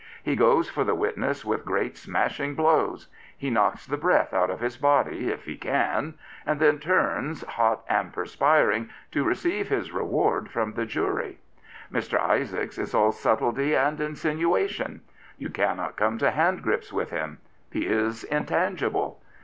He goes for the witness with great, smashing blows. He knocks the breath out of his body — if he can — and then turns, hot and perspiring, to receive his reward from the jury. Mr. Isaacs is all subtlety and insinuation. You cannot come to handgrips with him. He is intangible.